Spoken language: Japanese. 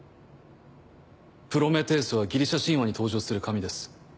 プロメテウスはギリシャ神話に登場する神です。